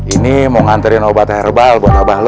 ini mau nganterin obat herbal buat abah lu